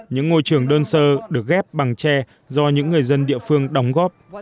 những ngôi trường đơn sơ được ghép bằng tre do những người dân địa phương đóng góp